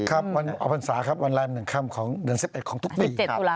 ครับออกพรรษาครับวันราคมหนึ่งข้ามของเดือน๑๑ของทุกปี